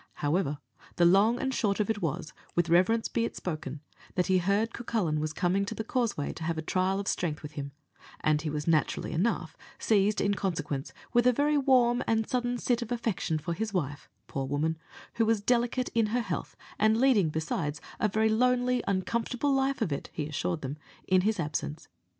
However, the short and long of it was, with reverence be it spoken, that he heard Cucullin was coming to the Causeway to have a trial of strength with him; and he was naturally enough seized, in consequence, with a very warm and sudden sit of affection for his wife, poor woman, who was delicate in her health, and leading, besides, a very lonely, uncomfortable life of it (he assured them) in his absence.